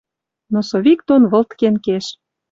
Носовик дон вылткен кеш.